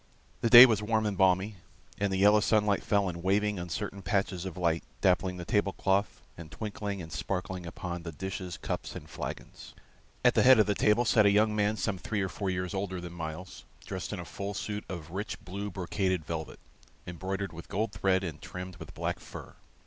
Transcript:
The day was warm and balmy, and the yellow sunlight fell in waving uncertain patches of light, dappling the table cloth, and twinkling and sparkling upon the dishes, cups, and flagons. At the head of the table sat a young man some three or four years older than Myles, dressed in a full suit of rich blue brocaded velvet, embroidered with gold thread and trimmed with black fur.